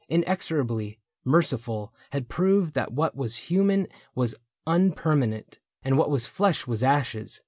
Inexorably merciful, had proved That what was human was unpermanent And what was flesh was ashes.